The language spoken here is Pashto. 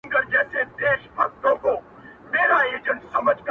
هغه كه نه غواړي ژوندون دومره خـــــبـــره نـــــــــه ده~